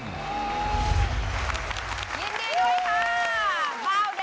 ยินดีด้วยค่ะ